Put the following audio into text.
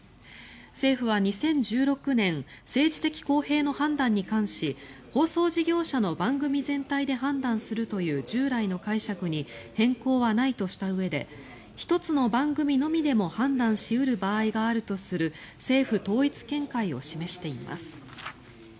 政府は２０１６年政治的公平の判断に関し放送事業者の番組全体で判断するという従来の解釈に変更はないとしたうえで１つの番組のみでも判断し得る場合があるとする政府統一見解を示しています。